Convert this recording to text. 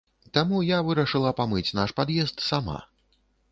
Таму я вырашыла памыць наш пад'езд сама.